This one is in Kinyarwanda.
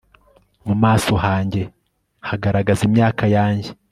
mu maso hanjye hagaragaza imyaka yanjye